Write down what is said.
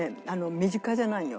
身近じゃないんよ。